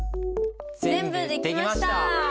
全部できました！